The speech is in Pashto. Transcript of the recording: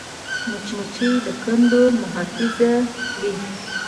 مچمچۍ د کندو محافظ وي